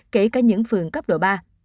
kể cả những phường cấp độ ba